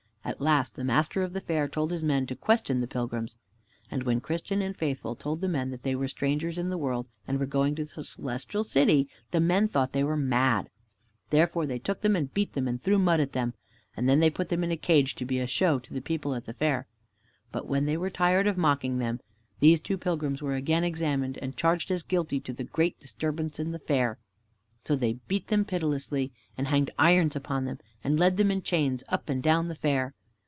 At last the master of the fair told his men to question the pilgrims. And when Christian and Faithful told the men that they were strangers in the world and were going to the Celestial City, the men thought they were mad. Therefore they took them and beat them and threw mud at them, and then they put them in a cage to be a show to the people at the fair. But when they were tired of mocking them, these two pilgrims were again examined and charged as guilty of the great disturbance in the fair. So they beat them pitilessly, and hanged irons upon them, and led them in chains up and down the fair.